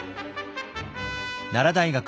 奈良大学